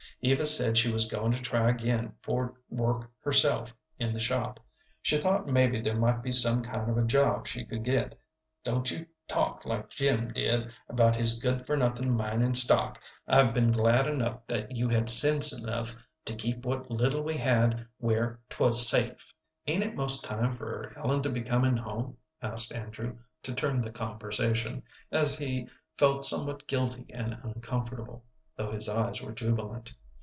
Eva said she was goin' to try again for work herself in the shop. She thought maybe there might be some kind of a job she could get. Don't you talk like Jim did about his good for nothin' mining stock. I've been glad enough that you had sense enough to keep what little we had where 'twas safe." "Ain't it most time for Ellen to be comin' home?" asked Andrew, to turn the conversation, as he felt somewhat guilty and uncomfortable, though his eyes were jubilant.